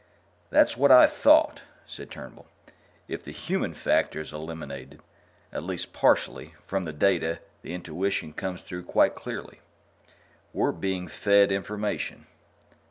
"That's what I thought," said Turnbull. "If the human factor is eliminated at least partially from the data, the intuition comes through quite clearly. We're being fed information."